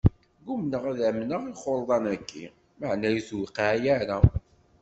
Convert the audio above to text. Gummaɣ ad amneɣ ixurḍan-aki, maɛna ur iyi-tuqiɛ ara.